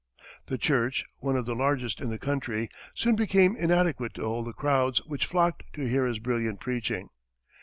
The church, one of the largest in the country, soon became inadequate to hold the crowds which flocked to hear his brilliant preaching.